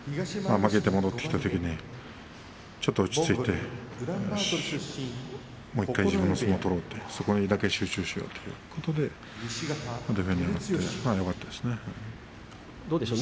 負けて戻ってきたときにちょっと落ち着いてもう１回自分の相撲を取ろうということだけに集中してよかったですね。